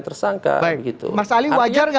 tersangka mas ali wajar tidak